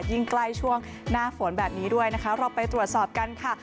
ใกล้ช่วงหน้าฝนแบบนี้ด้วยนะคะเราไปตรวจสอบกันค่ะ